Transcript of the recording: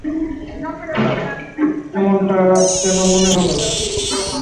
এমনটা কেন মন হলো?